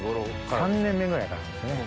３年目ぐらいからですね。